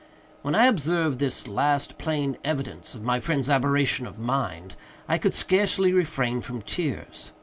When I observed this last, plain evidence of my friend's aberration of mind, I could scarcely refrain from tears.